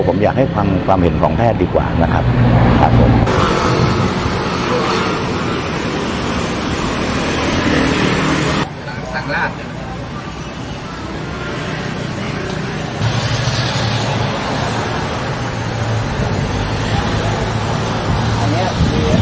ผมอยากให้ความเห็นของแพทย์ดีกว่านะครับ